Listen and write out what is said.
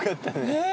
え。